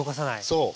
そう。